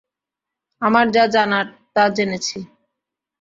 আমার যা জানার তা জেনেছি।